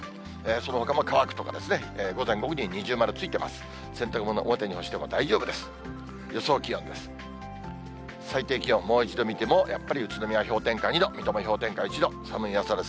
そのほかも乾くとか、午前、午後に二重丸ついてます。